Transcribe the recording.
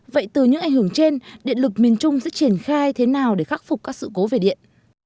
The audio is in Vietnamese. vậy từ những ảnh hưởng trên điện lực miền trung sẽ triển khai thế nào để khắc phục các sự cố về điện